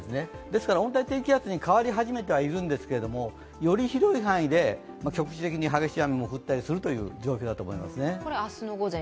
ですから温帯低気圧に変わり始めてはいるんですけど、より広い範囲で局地的に激しい雨も降ったりするという状況だと思います。